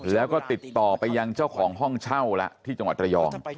แล้วก็ติดต่อไปยังเจ้าของห้องเช่าแล้วที่จังหวัดระยอง